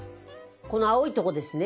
この青いとこですね。